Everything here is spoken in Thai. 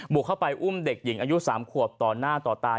เข้าไปอุ้มเด็กหญิงอายุ๓ขวบต่อหน้าต่อตา